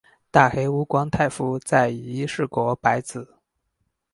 大黑屋光太夫在以伊势国白子。